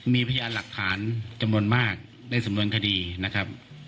มีพยานหลักฐานจำนวนมากในสำนวนคดีนะครับ